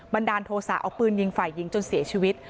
ดาลโทษะเอาปืนยิงฝ่ายหญิงจนเสียชีวิต